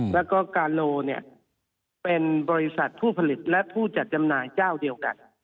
แล้วก็กาโลเป็นบริษัทผู้ผลิตและผู้จัดจำหน่ายเจ้าเดียวกัน